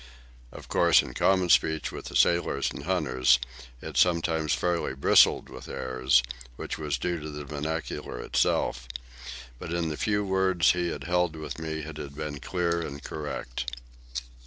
Of course, in common speech with the sailors and hunters, it sometimes fairly bristled with errors, which was due to the vernacular itself; but in the few words he had held with me it had been clear and correct.